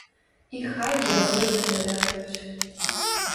І хай яны разглядаюць.